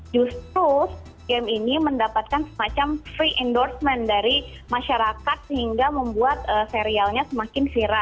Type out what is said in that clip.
justru game ini mendapatkan semacam free endorsement dari masyarakat hingga membuat serialnya semakin viral